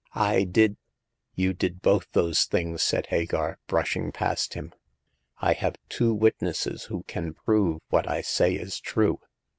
I did ''" You did both those things !" said Hagar, brushing past him. " I have two witnesses who can prove what I say is true.